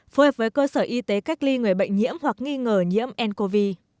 phối hợp với cơ sở y tế cách ly người bệnh nhiễm hoặc nghi ngờ nhiễm ncov